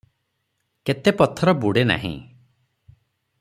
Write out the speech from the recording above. କେତେ ପଥର ବୁଡ଼େ ନାହିଁ ।